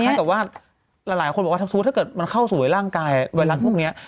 เหมือนแค่กับว่าหลายคนบอกว่าถ้าเกิดมันเข้าสู่ร่างกายไวรัสพวกนี้